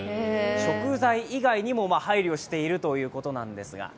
食材以外にも配慮しているということなんですが。